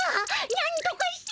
なんとかしてたも！